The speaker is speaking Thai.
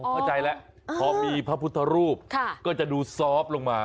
เข้าใจแล้วพอมีพระพุทธรูปก็จะดูซอฟต์ลงมา